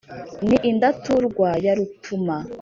ni indatungurwa ya rutuma